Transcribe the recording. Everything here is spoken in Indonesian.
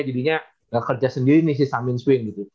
jadinya gak kerja sendiri nih si summon swin gitu